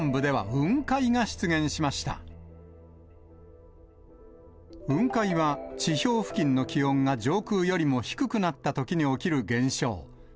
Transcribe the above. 雲海は地表付近の気温が上空よりも低くなったときに起きる現象。